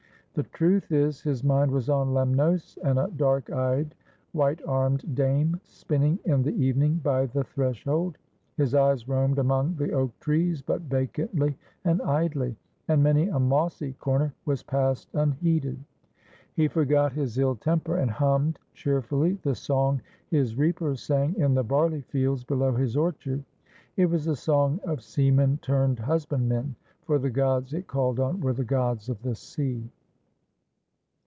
The truth is, his mind was on Lemnos and a dark eyed, white armed dame spinning in the evening by the threshold. His eyes roamed among the oak trees, but vacantly and idly, and many a mossy corner was passed unheeded. He forgot his ill temper, and hummed cheerfully the song his reapers sang in the barley fields below his orchard. It was a song of sea men turned husbandmen, for the gods it called on were the gods of the sea.